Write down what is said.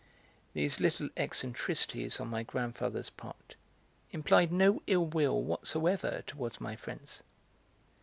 These little eccentricities on my grandfather's part implied no ill will whatsoever towards my friends.